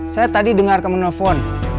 saya tadi dengar kamu nelfon